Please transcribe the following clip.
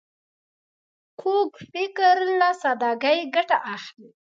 کوږ فکر له سادګۍ ګټه اخلي